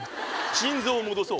心臓を戻そう。